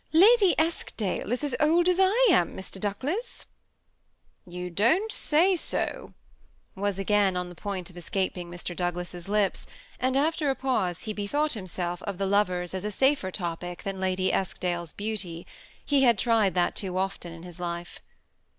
Lady Eskdale is as old as I am, Mr. Douglas." 1^ " You don't say so," was again on the point of escap ing Mr. Douglas's lips, and after a pause he bethought himself of the lovers as a safer topic than Lady Esk dale's beauty ; he had tried that too oflen in his life.